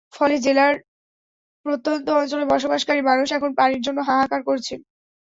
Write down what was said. ফলে জেলার প্রত্যন্ত অঞ্চলে বসবাসকারী মানুষ এখন পানির জন্য হাহাকার করছেন।